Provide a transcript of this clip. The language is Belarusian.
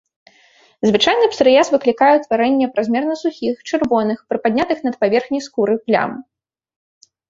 Звычайна псарыяз выклікае ўтварэнне празмерна сухіх, чырвоных, прыпаднятых над паверхняй скуры плям.